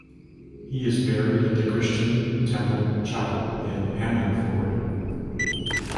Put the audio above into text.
He is buried at the Christian Temple chapel in Ammanford.